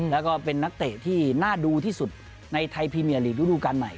แล้วก็เป็นนักเตะที่น่าดูที่สุดในไทยพรีเมียลีกฤดูการใหม่